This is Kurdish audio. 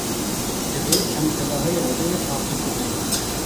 Divê em tevahiya odeyê paqij bikin.